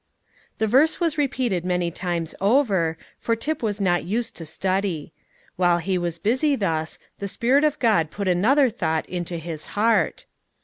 The verse was repeated many times over, for Tip was not used to study. While he was busy thus, the Spirit of God put another thought into his heart.